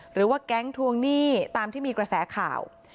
หรือว่าแก๊งทวงหนี้ตามที่มีกระแสข่าว